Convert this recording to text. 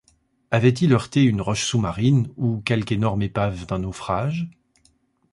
Avait-il heurté une roche sous-marine, ou quelque énorme épave d’un naufrage ?